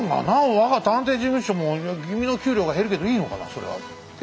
我が探偵事務所も君の給料が減るけどいいのかなそれは。え？